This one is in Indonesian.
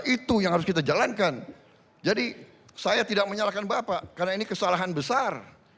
itu yang harus kita jalankan jadi saya tidak menyalahkan bapak karena ini kesalahan besar